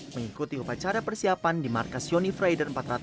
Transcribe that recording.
mengikuti upacara persiapan di markas yoni freider empat ratus